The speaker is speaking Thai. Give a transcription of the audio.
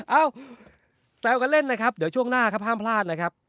เอ้าแซวกันเล่นนะครับเดี๋ยวช่วงหน้าครับห้ามพลาดเลยครับ